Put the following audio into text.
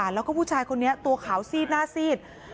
แล้วก็ผู้ชายคนนี้ตัวขาวซีดหน้าซีด